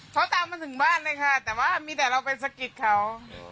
เขาตามมาถึงบ้านเลยค่ะแต่ว่ามีแต่เราไปสะกิดเขา